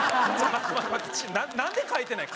なんで書いてない？